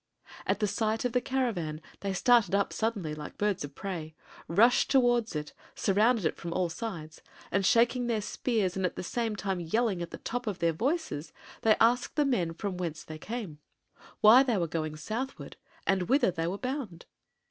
At the sight of the caravan they started up suddenly, like birds of prey; rushed towards it, surrounded it from all sides; and shaking their spears and at the same time yelling at the top of their voices they asked the men from whence they came, why they were going southward, and whither they were bound?